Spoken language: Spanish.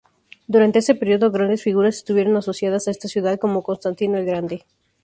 Durante ese periodo, grandes figuras estuvieron asociadas a esta ciudad, como Constantino el Grande.